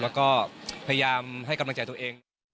แล้วก็พยายามให้กำลังใจตัวเอง